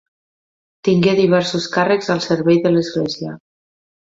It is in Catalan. Tingué diversos càrrecs al servei de l'església.